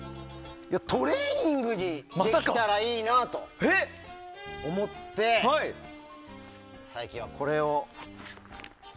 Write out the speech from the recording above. トレーニングにできたらいいなと思って最近はこれを。